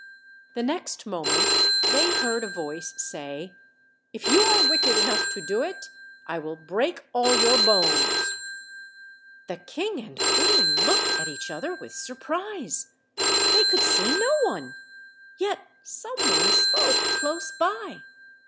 The next moment they heard a voice say: "If you are wicked enough to do it, I will break all your bones." The king and queen looked at each other with surprise. They could see no one, yet some one spoke close by.